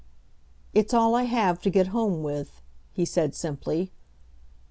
"It's all I have to get home with," he said, simply.